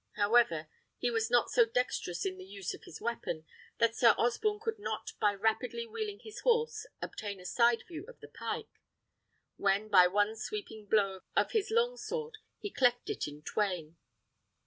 However, he was not so dexterous in the use of his weapon that Sir Osborne could not by rapidly wheeling his horse obtain a side view of the pike, when by one sweeping blow of his long sword he cleft it in twain.